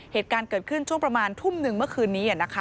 เหตุการณ์เกิดขึ้นช่วงประมาณทุ่มหนึ่งเมื่อคืนนี้นะคะ